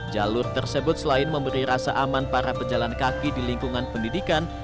jalur tersebut selain memberi rasa aman para pejalan kaki di lingkungan pendidikan